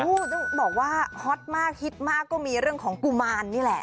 โอ้โหต้องบอกว่าฮอตมากฮิตมากก็มีเรื่องของกุมารนี่แหละ